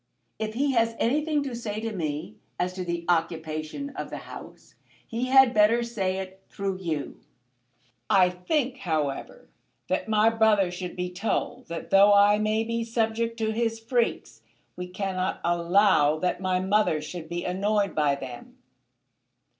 If he has anything to say to me as to the occupation of the house he had better say it through you. I think, however, that my brother should be told that though I may be subject to his freaks, we cannot allow that my mother should be annoyed by them.